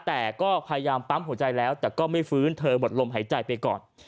แต่ก็พยายามปั๊มหัวใจแล้วแต่ก็ไม่ฟื้นเธอหมดลมหายใจไปก่อน